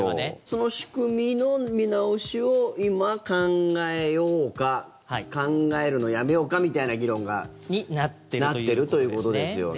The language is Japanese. その仕組みの見直しを今、考えようか考えるのやめようかみたいな議論が。になってるということですね。